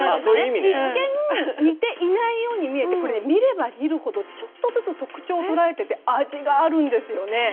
一見似ていないように見えて、見れば見るほどちょっとずつ特徴を捉えていて味があるんですね。